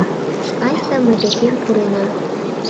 Айста мый декем пурена.